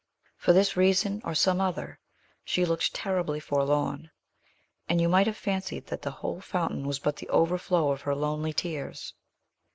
For this reason, or some other, she looked terribly forlorn; and you might have fancied that the whole fountain was but the overflow of her lonely tears.